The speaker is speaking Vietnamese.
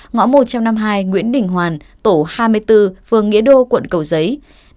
ngõ một trăm năm mươi hai nguyễn đình hoàn tổ hai mươi bốn phương nguyễn đình hoàn